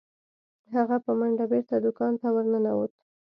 هغه په منډه بیرته دکان ته ورنوت.